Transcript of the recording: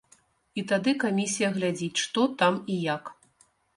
І тады камісія глядзіць, што там і як.